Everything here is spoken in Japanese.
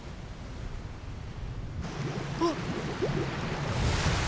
あっ！